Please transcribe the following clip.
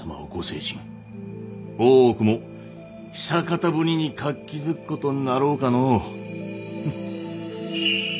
大奥も久方ぶりに活気づくことになろうかの。